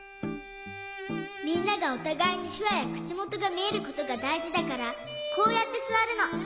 みんながおたがいにしゅわやくちもとがみえることがだいじだからこうやってすわるの。